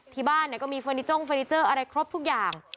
ที่บ้านก็มีเฟอร์นิจ้งเฟอร์นิเจอร์อะไรครบทุกอย่าง